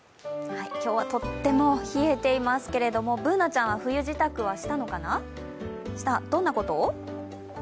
今日はとっても冷えていますけれどもＢｏｏｎａちゃんは冬支度をしたのかなした、どんなことを？